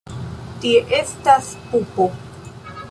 Tie estas pupo.